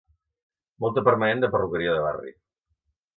Molta permanent de perruqueria de barri.